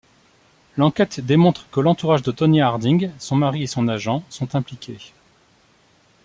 L'enquête démontre que l'entourage de Tonya Harding, son mari et son agent, sont impliqués.